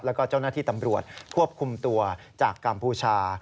แล้วก็เจ้าหน้าที่ตำรวจควบคุมตัวจากกัมพูชา